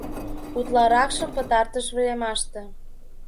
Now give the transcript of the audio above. Утларакшым пытартыш времаште...